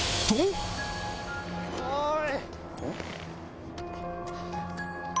おい！